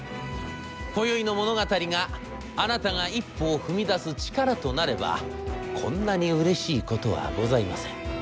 今宵の物語があなたが一歩を踏み出す力となればこんなにうれしいことはございません。